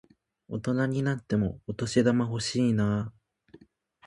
大人になってもお年玉欲しいなぁ。